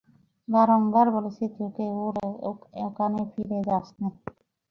বারংবার বলেছি তোকে, ওর ওখানে ফিরে যাসনে।